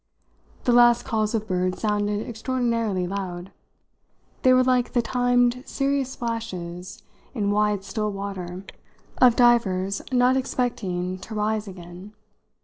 The last calls of birds sounded extraordinarily loud; they were like the timed, serious splashes, in wide, still water, of divers not expecting to rise again.